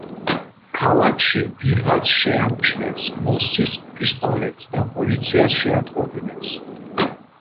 ქალაქში ვიღაც შეამჩნევს მოსის პისტოლეტს და პოლიციას შეატყობინებს.